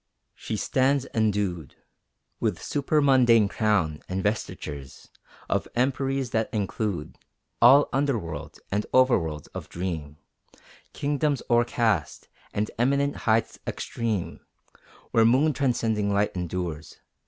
She stands endued With supermundane crown, and vestitures Of emperies that include All under worlds and over worlds of dream Kingdoms o'ercast, and eminent heights extreme Where moon transcending light endures.